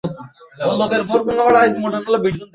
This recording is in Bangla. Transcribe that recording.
ভালো সিদ্ধান্ত নিয়েছেন!